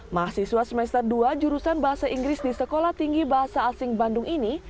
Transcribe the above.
mahasiswa semester dua jurusan bahasa inggris di sekolah tinggi bahasa asing bandung ini